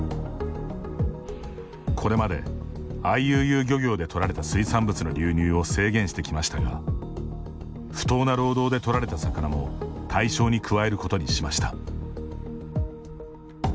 これまでＩＵＵ漁業で取られた水産物の流入を制限してきましたが不当な労働で取られた魚も対象に加えることにしました。